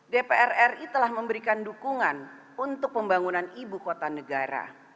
dpr ri telah memberikan dukungan untuk pembangunan ibu kota negara